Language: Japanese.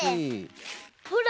ほら！